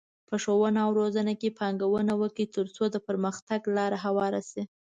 په ښوونه او روزنه کې پانګونه وکړئ، ترڅو د پرمختګ لاره هواره شي.